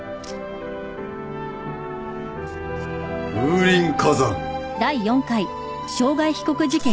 風林火山。